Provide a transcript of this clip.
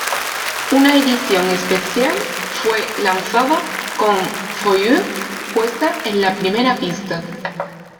Una edición especial fue lanzada con "For You" puesta en la primera pista.